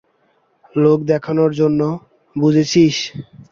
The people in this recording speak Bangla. লোক দেখানোর জন্য, বুঝেছিস?